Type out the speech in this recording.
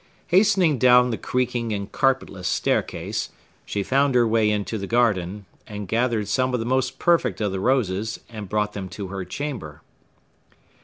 Hastening down the creaking and carpetless staircase, she found her way into the garden, gathered some of the most perfect of the roses, and brought them to her chamber.